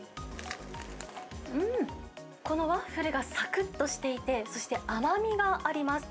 このワッフルがさくっとしていて、そして甘みがあります。